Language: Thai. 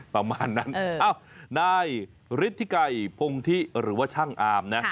ประมาณนั้นนายฤทธิไกรพงธิหรือว่าช่างอามนะ